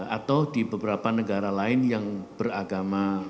atau di beberapa negara lain yang beragama